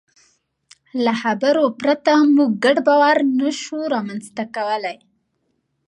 له خبرو پرته موږ ګډ باور نهشو رامنځ ته کولی.